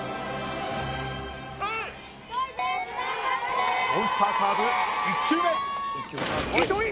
プレーモンスターカーブ１球目糸井